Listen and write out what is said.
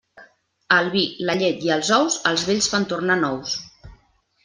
El vi, la llet i els ous els vells fan tornar nous.